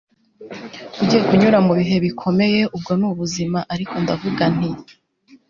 ugiye kunyura mubihe bikomeye - ubwo ni ubuzima. ariko ndavuga nti